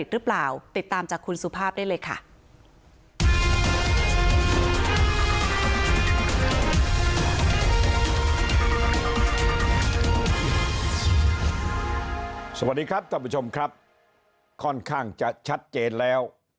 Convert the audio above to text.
สวัสดีครับท่านผู้ชมครับค่อนข้างจะชัดเจนแล้ว